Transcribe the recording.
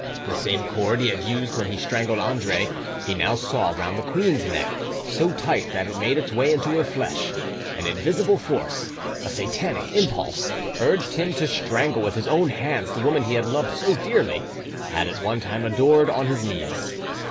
The same cord he had used when he strangled Andre, he now saw round the queen's neck, so tight that it made its way into her flesh: an invisible force, a Satanic impulse, urged him to strangle with his own hands the woman he had loved so dearly, had at one time adored on his knees.